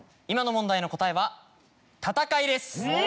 今の問題の答えは「たたかい」です。